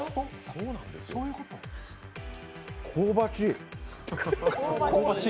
香ばちい。